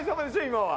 今は。